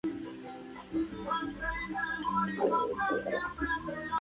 Mark Howard grabó y mezcló el álbum.